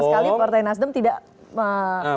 sekali partai nasdem tidak